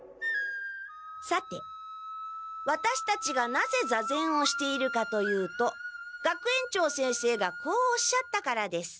さてワタシたちがなぜ座禅をしているかというと学園長先生がこうおっしゃったからです。